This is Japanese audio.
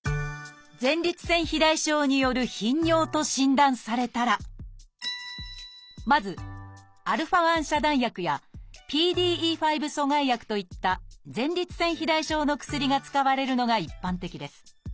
前立腺肥大症による頻尿と診断されたらまずα遮断薬やＰＤＥ５阻害薬といった前立腺肥大症の薬が使われるのが一般的です。